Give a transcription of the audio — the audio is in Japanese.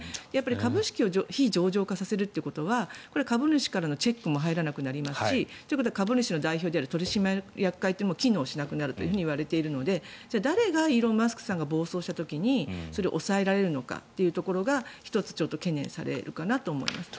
株式を非上場化させるということは株主からのチェックも入らなくなりますしということは株主の代表である取締役会というのも機能しなくなるといわれているので誰がイーロン・マスクさんが暴走した時に抑えられるのかが１つ、懸念されると思います。